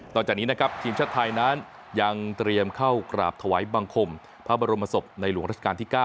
ตอนนี้นะครับทีมชาติไทยนั้นยังเตรียมเข้ากราบถวายบังคมพระบรมศพในหลวงราชการที่๙